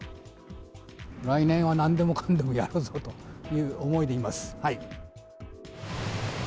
来年はなんでもかんでもやるぞという思いでいます。